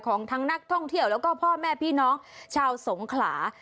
ของทั้งนักท่องเที่ยวแล้วก็พ่อแม่พี่น้องชาวสงขลา